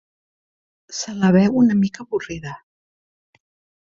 Se la veu una mica avorrida.